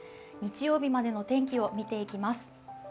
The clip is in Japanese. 日曜日までの天気を見ていきます。